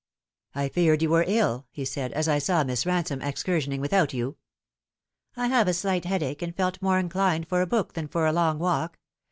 " I feared you were ill," he said, " as I saw Miss Bansome excursionising without you." " I have a slight headache, and felt more inclined for a book than for a long walk.